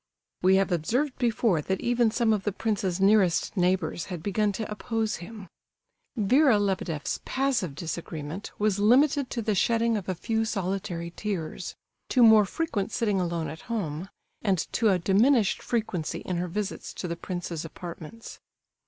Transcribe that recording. We have observed before that even some of the prince's nearest neighbours had begun to oppose him. Vera Lebedeff's passive disagreement was limited to the shedding of a few solitary tears; to more frequent sitting alone at home, and to a diminished frequency in her visits to the prince's apartments.